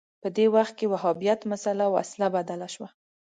په دې وخت کې وهابیت مسأله وسله بدله شوه